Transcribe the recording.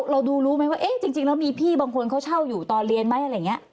เราดูรู้ไหมว่าเอ๊ะจริงแล้วมีพี่บางคนเขาเช่าอยู่ตอนเรียนไหมอะไรอย่างนี้